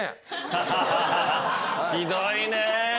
ひどいね。